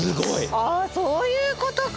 あそういうことか。